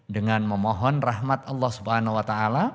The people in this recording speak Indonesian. dengan memohon rahmat allah swt